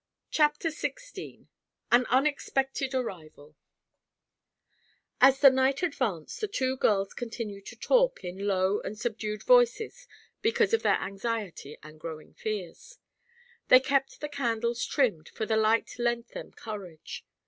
CHAPTER XVI—AN UNEXPECTED ARRIVAL As the night advanced the two girls continued to talk, in low and subdued voices because of their anxiety and growing fears. They kept the candles trimmed, for the light lent them courage.